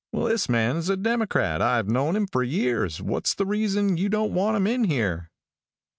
"This man is a Democrat. I've known him for years. What's the reason you don't want him in here?"